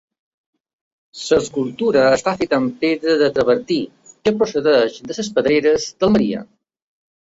L'escultura està feta amb pedra de travertí que procedeix de les pedreres d'Almeria.